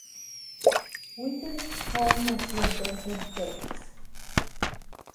Witherspoon nació en Denton, Texas.